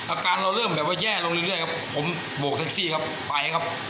อาการเราเริ่มแบบว่าแย่ลงเรื่อยครับผมโบกแท็กซี่ครับไปครับ